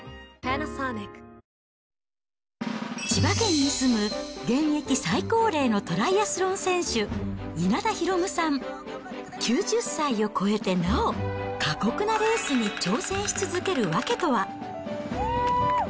千葉県に住む現役最高齢のトライアスロン選手、稲田弘さん、９０歳を超えてなお、過酷なレースに挑戦し続ける訳とは。